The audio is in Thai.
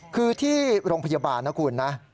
คือที่โรงพยาบาลนะคุณนะ